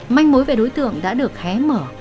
manh mối về đối tượng đã được hé mở